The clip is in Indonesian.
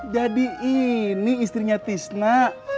jadi ini istrinya tizna